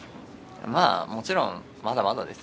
もちろん、まだまだです。